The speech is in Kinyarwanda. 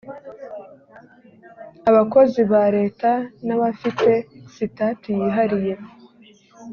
abakozi ba leta n’abafite sitati yihariye